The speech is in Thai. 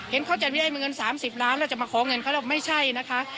เห็นเขาจะได้เงิน๓๐ล้านแล้วจะมาขอเงินเขาแล้วไม่ใช่นะคะ